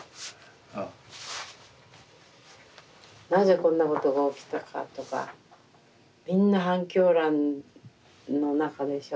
なぜこんなことが起きたかとかみんな半狂乱の中でしょ。